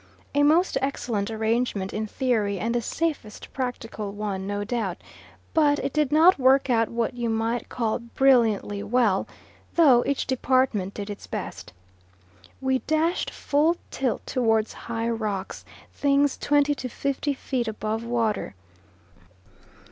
A most excellent arrangement in theory and the safest practical one no doubt, but it did not work out what you might call brilliantly well; though each department did its best. We dashed full tilt towards high rocks, things twenty to fifty feet above water.